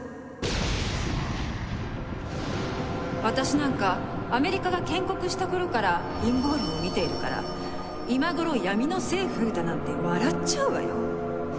私なんかアメリカが建国した頃から陰謀論を見ているから今頃「闇の政府」だなんて笑っちゃうわよ。